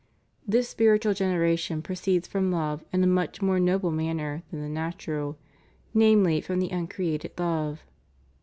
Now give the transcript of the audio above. ^ This spiritual gen eration proceeds from love in a much more noble manner than the natural: namely, from the uncreated Love.